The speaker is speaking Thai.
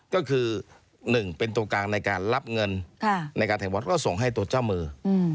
ก็คือ๑เป็นตัวกลางในการรับเงินในการแห่งวัดก็ส่งให้ตัวเจ้ามือ